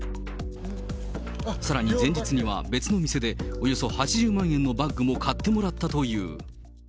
さらに前日には、別の店でおよそ８０万円のバッグも買ってもらったという。